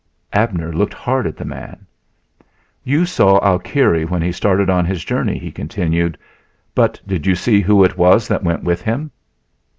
Abner looked hard at the man. "You saw Alkire when he started on his journey," he continued; "but did you see who it was that went with him?"